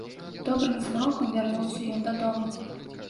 Добрым змрокам вярнуўся ён дадому.